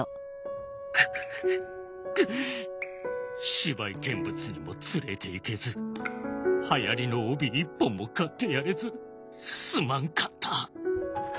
芝居見物にも連れていけずはやりの帯一本も買ってやれずすまんかった。